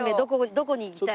どこに行きたい？